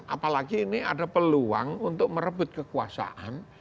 apalagi ini ada peluang untuk merebut kekuasaan